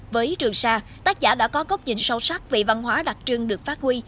với trường xa tác giả đã có góc nhìn sâu sắc về văn hóa đặc trưng được phát huy